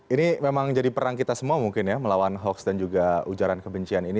ini memang jadi perang kita semua mungkin ya melawan hoaks dan juga ujaran kebencian ini